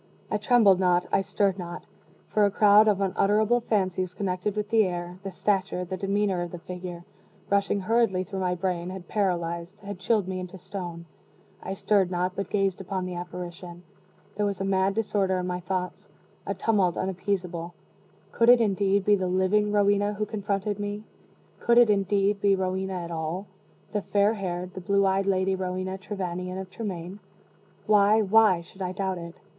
I trembled not I stirred not for a crowd of unutterable fancies connected with the air, the stature, the demeanor, of the figure, rushing hurriedly through my brain, had paralyzed had chilled me into stone. I stirred not but gazed upon the apparition. There was a mad disorder in my thoughts a tumult unappeasable. Could it, indeed, be the living Rowena who confronted me? Could it, indeed, be Rowena at all the fair haired, the blue eyed Lady Rowena Trevanion of Tremaine? Why, why should I doubt it?